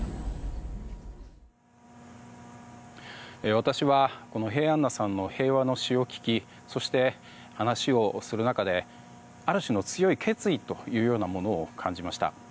私は平安名さんの平和の詩を聞きそして、話をする中である種の強い決意というものを感じました。